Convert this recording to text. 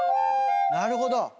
なるほど。